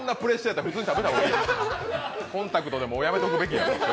コンタクトでもうやめとくべきやわ。